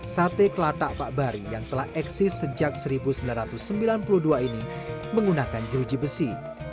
sate kelatak pak bari yang telah eksis sejak seribu sembilan ratus sembilan puluh dua ini menggunakan jeruji besi